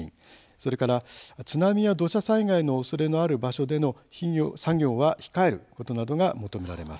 それから津波や土砂災害のおそれのある場所での作業は控えることなどが求められます。